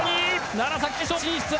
楢崎、決勝進出！